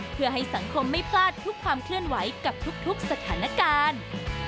เพื่อให้สังคมไม่พลาดทุกความเคลื่อนไหวกับทุกสถานการณ์